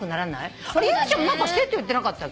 由美ちゃんも何かしてるって言ってなかったっけ。